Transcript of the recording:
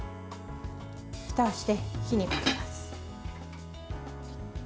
ふたをして、火にかけます。